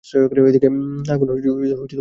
এদিকে আগুন খুব জ্বলিতেছে।